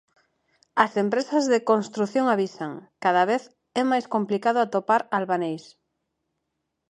As empresas de construción avisan: cada vez é máis complicado atopar albaneis.